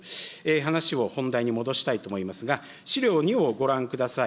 話を本題に戻したいと思いますが、資料２をご覧ください。